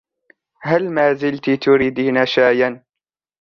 هل مازلتِ تريدين شاياً ؟